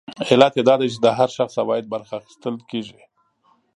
علت یې دا دی چې د هر شخص عواید پراخه اخیستل کېږي